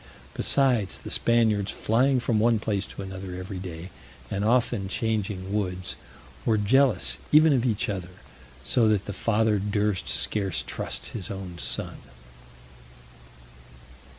Besides, the Spaniards flying from one place to another every day, and often changing woods, were jealous even of each other, so that the father durst scarce trust his own son.